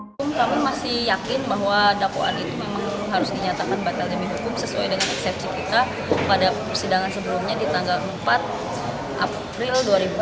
pertanyaan pertama apakah dakwaan ini harus dinyatakan batal demi hukum sesuai dengan eksepsi kita pada persidangan sebelumnya di tanggal empat april dua ribu dua puluh empat